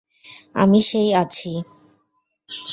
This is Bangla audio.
আমি সেই আছি!